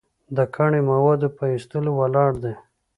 د کاني موادو په را ایستلو ولاړ دی.